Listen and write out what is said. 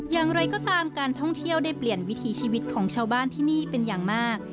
อย่างไรก็ตามการท่องเที่ยวได้เปลี่ยนวิถีชีวิตของชาวบ้านที่นี่เป็นอย่างมาก